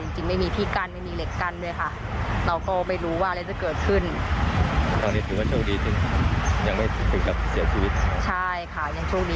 จริงจริงไม่มีพี่กันไม่มีเหล็กกันด้วยค่ะเราก็ไม่รู้ว่าอะไรจะเกิดขึ้น